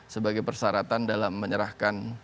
sebagai persyaratan dalam menyerahkan